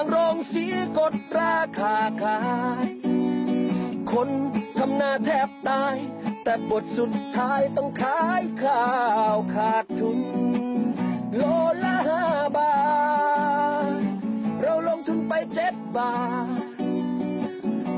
โลนะห่าบาทเราลงทุนไปเจ็บบาท